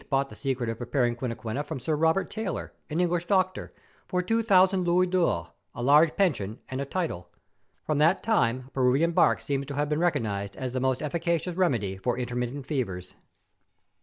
bought the secret of preparing quinquina from Sir Robert Taylor, an English doctor, for two thousand louis d'ors, a large pension, and a title. From that time Peruvian bark seems to have been recognised as the most efficacious remedy for intermittent fevers.